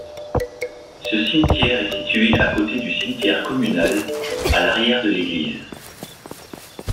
Ce cimetière est situé à côté du cimetière communal, à l'arrière de l'église.